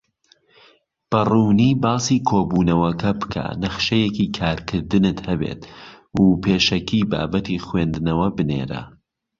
بەڕوونی باسی کۆبوونەوەکە بکە، نەخشەیەکی کارکردنت هەبێت، و پێشەکی بابەتی خویندنەوە بنێرە.